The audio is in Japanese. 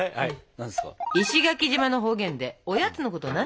何ですか？